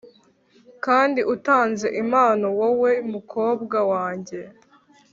kandi utanze impano-wowe mukobwa wanjye.